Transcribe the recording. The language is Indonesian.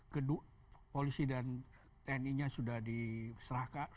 kedua polisi dan tni nya sudah diserahkan